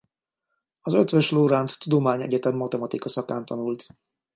Az Eötvös Loránd Tudományegyetem matematika szakán tanult.